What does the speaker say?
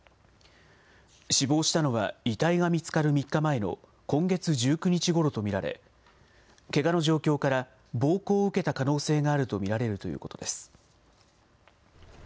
死亡したのは遺体が見つかる３日前の今月１９日ごろと見られ、けがの状況から暴行を受けた可能性があると見られるということです。